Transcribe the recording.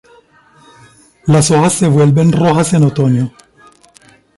Las hojas se vuelven rojas en otoño.